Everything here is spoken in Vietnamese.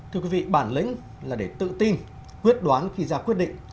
thưa quý vị bản lĩnh là để tự tin quyết đoán khi ra quyết định